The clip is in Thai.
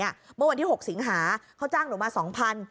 เมื่อวันที่๖สิงหาเขาจ้างหนูมา๒๐๐บาท